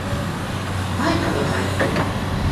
- Һай, ҡыҙыҡай!